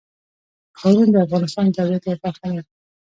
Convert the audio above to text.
ښارونه د افغانستان د طبیعت یوه برخه ده.